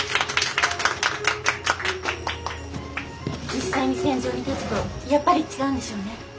実際に戦場に立つとやっぱり違うんでしょうね。